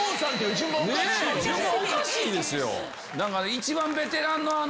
一番ベテランの。